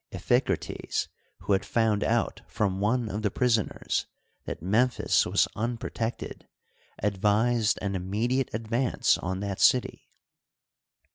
Iphicrates, who had found out from one of the prisoners that Memphis was unprotected, advised an immediate advance on that city.